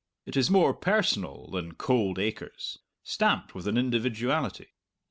It is more personal than cold acres, stamped with an individuality.